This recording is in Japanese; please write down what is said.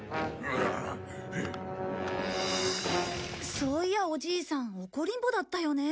そういやおじいさん怒りん坊だったよね。